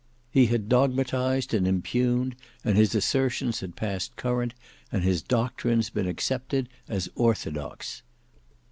He had dogmatised and impugned, and his assertions had passed current, and his doctrines been accepted as orthodox.